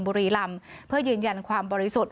บุรีรำเพื่อยืนยันความบริสุทธิ์